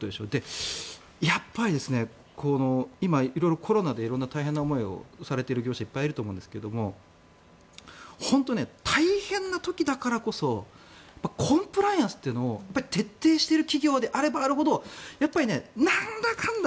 やっぱり今、色々コロナで色んな大変な思いをされている業者いっぱいいると思うんですけど本当に大変な時だからこそコンプライアンスということを徹底している企業であればあるほどなんだかんだ